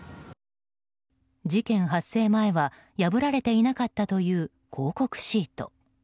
事件発生前は破られていなかったという広告シート。